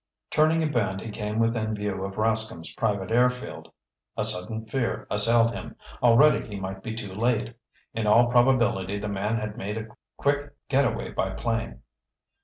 Turning a bend he came within view of Rascomb's private air field. A sudden fear assailed him. Already he might be too late! In all probability the man had made a quick get away by plane.